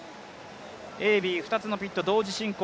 Ａ、Ｂ、２つのピット、同時進行。